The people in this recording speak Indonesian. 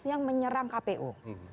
yang menyerang kpu